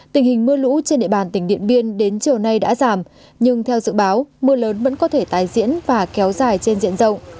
tình hình mưa lũ trên địa bàn tỉnh điện biên đến chiều nay đã giảm nhưng theo dự báo mưa lớn vẫn có thể tái diễn và kéo dài trên diện rộng